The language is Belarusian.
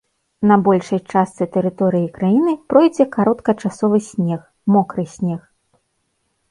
На большай частцы тэрыторыі краіны пройдзе кароткачасовы снег, мокры снег.